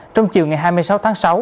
trong chiều ngày hai mươi sáu tháng sáu